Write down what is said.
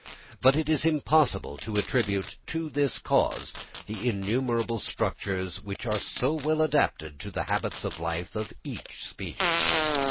But it is impossible to attribute to this cause the innumerable structures which are so well adapted to the habits of life of each species.